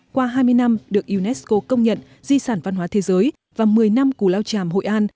qua hai mươi năm được unesco công nhận di sản văn hóa thế giới và một mươi năm củ lao tràm hội an